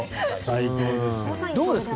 どうですか？